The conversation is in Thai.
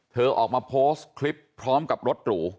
ออกมาโพสต์คลิปพร้อมกับรถหรู